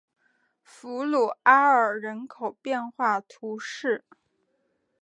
弗鲁阿尔人口变化图示